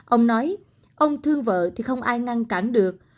ông nói ông thương vợ thì không ai ngăn cản được